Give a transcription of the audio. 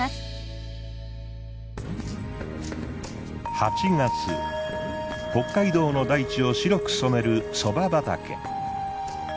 ８月北海道の大地を白く染めるソバ畑。